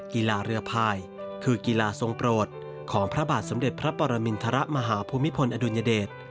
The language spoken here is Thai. กีฬาเรือพายคือกีฬาทรงโปรดของพระบาทสมเด็จพระปรมินทรมาหาภูมิพลอดุลยเดช